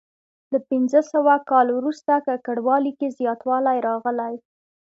له پنځه سوه کال وروسته ککړوالي کې زیاتوالی راغلی.